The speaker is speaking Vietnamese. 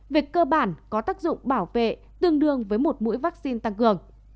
về cơ bản có tác dụng bảo vệ tương đương với một mũi vaccine tăng cường